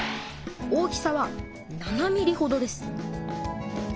大きさは７ｍｍほどです。